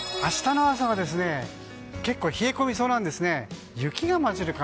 明日の朝は結構冷え込みそうなんですね。